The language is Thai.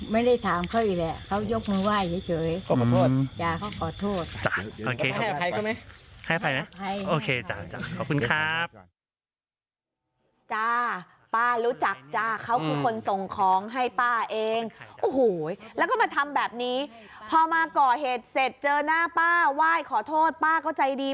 ไม่ได้ถามเขาอีกฮะเขายกมือไหว้เฉย